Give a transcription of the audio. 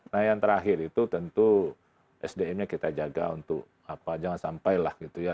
nah yang terakhir itu tentu sdm nya kita jaga untuk jangan sampai lah gitu ya